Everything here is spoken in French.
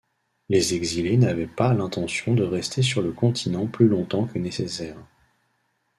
Les exilés n'avaient pas l'intention de rester sur le continent plus longtemps que nécessaire.